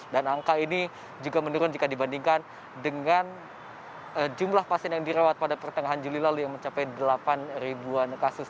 dan angka ini juga menurun jika dibandingkan dengan jumlah pasien yang dirawat pada pertengahan juli lalu yang mencapai delapan ribuan kasus